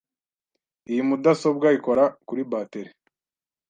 Iyi mudasobwa ikora kuri bateri .